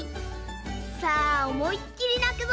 さあおもいっきりなくぞ。